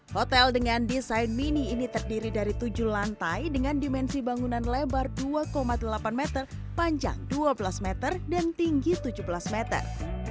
hotel dengan desain mini ini terdiri dari tujuh lantai dengan dimensi bangunan lebar dua delapan meter panjang dua belas meter dan tinggi tujuh belas meter